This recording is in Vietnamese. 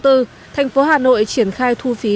thành phố hà nội triển khai thu phí